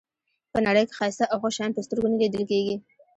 په نړۍ کې ښایسته او ښه شیان په سترګو نه لیدل کېږي.